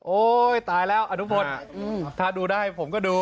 โอ้ยตายแล้วถ้าดูได้ผมก็ดู